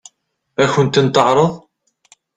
Ad kent-ten-teɛṛeḍ?